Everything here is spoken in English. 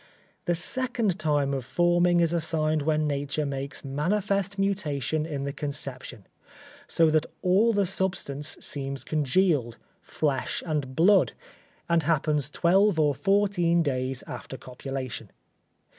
The second time of forming is assigned when nature makes manifest mutation in the conception, so that all the substance seems congealed, flesh and blood, and happens twelve or fourteen days after copulation.